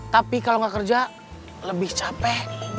tapi kalau nggak kerja lebih capek